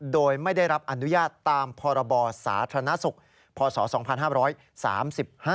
โดยไม่ได้รับอนุญาตตามพรบสาธารณสุขพศ๒๕๓๕